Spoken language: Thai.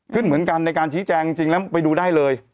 ขึ้นเหมือนกันในการชี้แจงจริงแล้วไปดูได้เลย